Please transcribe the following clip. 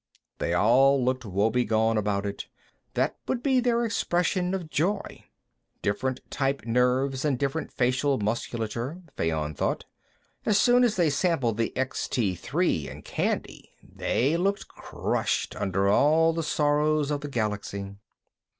They all looked woebegone about it; that would be their expression of joy. Different type nerves and different facial musculature, Fayon thought. As soon as they sampled the Extee Three and candy, they looked crushed under all the sorrows of the galaxy.